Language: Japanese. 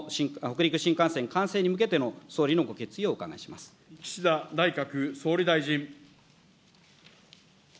この北陸新幹線完成に向けての総岸田内閣総理大臣。